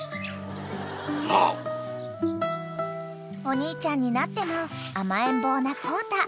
［お兄ちゃんになっても甘えん坊なコウタ］